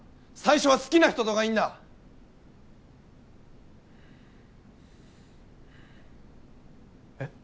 最初は好きな人とがいいんだ！え？